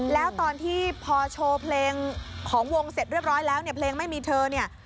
แล้วตอนที่พอโชว์เพลงของวงเสร็จเรียบร้อยแล้วเนี่ยเพลงไม่มีเธอเนี่ย